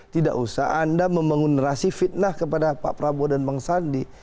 tidak usah anda memengunerasi fitnah kepada pak prabowo dan bang sadi